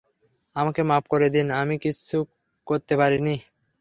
আমাকে মাফ করে দিন, আমি কিচ্ছু করতে পারিনি।